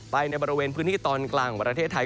ในบริเวณพื้นที่ตอนกลางของประเทศไทย